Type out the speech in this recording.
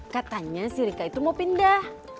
katanya si rika itu mau pindah